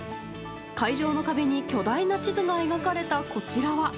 会場の壁に巨大な地図が描かれたこちらは。